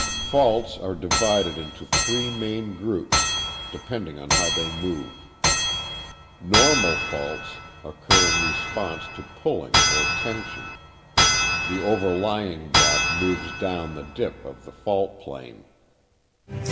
Faults are divided into three main groups, depending on how they move. Normal faults occur in response to pulling or tension; the overlying block moves down the dip of the fault plane.